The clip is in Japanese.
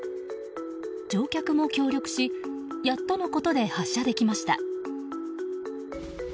乗客も協力しやっとのことで発車できました。